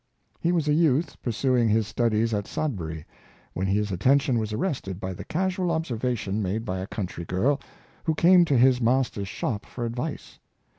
He was a youth, pursuing his studies at Sodbury, when his attention was arrested by the casual observation made by a country girl, who came to his master's shop for advice.